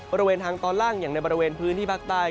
บริเวณทางตอนล่างอย่างในบริเวณพื้นที่ภาคใต้